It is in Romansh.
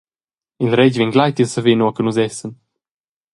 Il retg vegn gleiti a saver nua che nus essan.